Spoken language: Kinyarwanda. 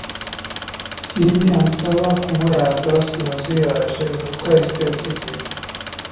simbi ansaba kumuraza sinazuyaje twahise tujyenda